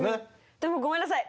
でもごめんなさい。